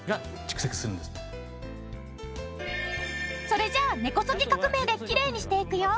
それじゃあ根こそぎ革命できれいにしていくよ。